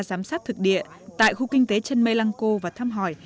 giám sát thực địa tại khu kinh tế trân mây lăng cô và thăm hỏi